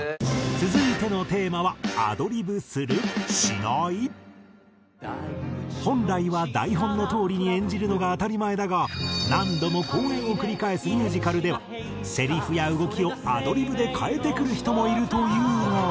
続いてのテーマは本来は台本のとおりに演じるのが当たり前だが何度も公演を繰り返すミュージカルではセリフや動きをアドリブで変えてくる人もいるというが。